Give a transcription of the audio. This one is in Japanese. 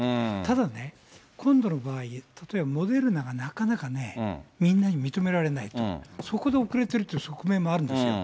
ただね、今度の場合、例えばモデルナがなかなかね、みんなに認められないと、そこで遅れてるっていう側面もあるんです。